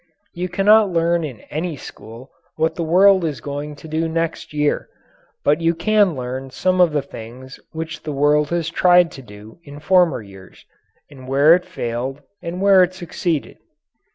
You cannot learn in any school what the world is going to do next year, but you can learn some of the things which the world has tried to do in former years, and where it failed and where it succeeded.